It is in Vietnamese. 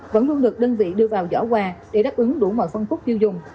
vẫn luôn được đơn vị đưa vào giỏ quà để đáp ứng đủ mọi phân khúc tiêu dùng